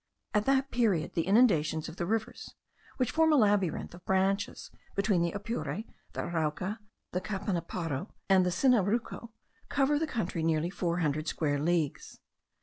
At that period the inundations of the rivers, which form a labyrinth of branches between the Apure, the Arauca, the Capanaparo, and the Sinaruco, cover a country of nearly four hundred square leagues.